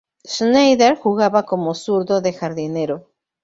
Schneider jugaba como zurdo de jardinero.